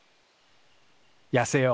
やせよう。